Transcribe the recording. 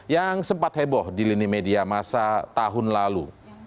yang sempat heboh di lini media masa tahun lalu